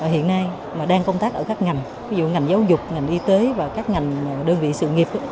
hiện nay mà đang công tác ở các ngành ví dụ ngành giáo dục ngành y tế và các ngành đơn vị sự nghiệp